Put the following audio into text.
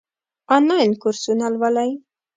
آنلاین کورسونه لولئ؟